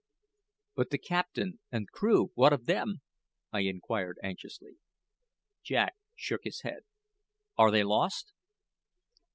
"But the captain and crew, what of them?" I inquired anxiously. Jack shook his head. "Are they lost?"